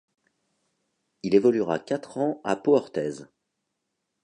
Il évoluera quatre ans à Pau-Orthez.